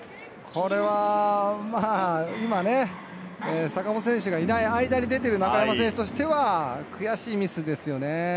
これは坂本選手がいない間に出てる中山選手としては悔しいミスですよね。